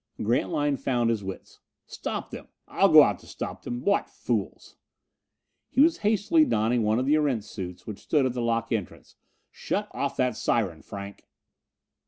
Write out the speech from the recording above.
Grantline found his wits. "Stop them! I'll go out to stop them! What fools!" He was hastily donning one of the Erentz suits which stood at the lock entrance. "Shut off that siren, Franck!"